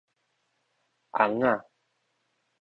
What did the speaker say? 尪仔